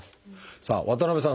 さあ渡辺さん